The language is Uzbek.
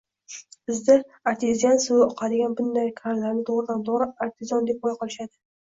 Bizda artezian suvi oqadigan bunday kranlarni toʻgʻridan toʻgʻri “artizon” deb qoʻya qolishadi.